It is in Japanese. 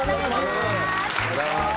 おはようございます